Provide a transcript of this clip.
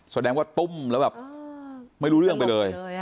แสดงว่าตุ้มแล้วแบบไม่รู้เรื่องไปเลย